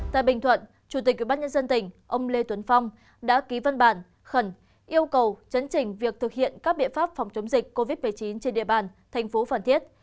tại bình thuận chủ tịch ubnd tỉnh ông lê tuấn phong đã ký văn bản khẩn yêu cầu chấn trình việc thực hiện các biện pháp phòng chống dịch covid một mươi chín trên địa bàn thành phố phan thiết